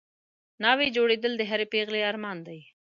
ناوې جوړېدل د هرې پېغلې ارمان وي